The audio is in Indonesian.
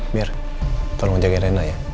mir tolong jagain rena ya